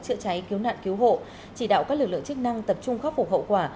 chữa cháy cứu nạn cứu hộ chỉ đạo các lực lượng chức năng tập trung khắc phục hậu quả